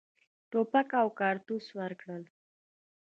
توپک او کارتوس ورکړل.